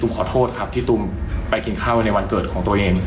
ขอโทษครับที่ตุมไปกินข้าวในวันเกิดของตัวเอง